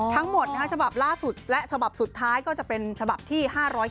ทั้งหมดฉบับล่าสุดและฉบับสุดท้ายก็จะเป็นฉบับที่๕๗